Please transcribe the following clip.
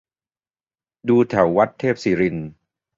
ดูแถววัดเทพศิรินทร์